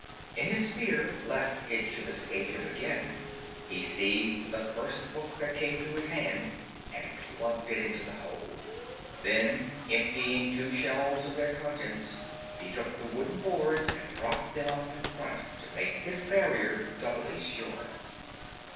In his fear lest it should escape him again, he seized the first book that came to his hand and plugged it into the hole. Then, emptying two shelves of their contents, he took the wooden boards and propped them up in front to make his barrier doubly sure.